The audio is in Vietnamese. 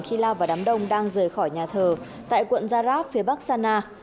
khi lao vào đám đông đang rời khỏi nhà thờ tại quận zarad phía bắc sana